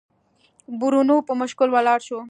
برونو په مشکل ولاړ شو.